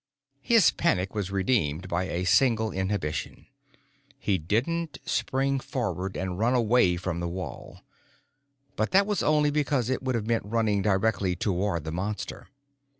His panic was redeemed by a single inhibition: he didn't spring forward and run away from the wall. But that was only because it would have meant running directly toward the Monster.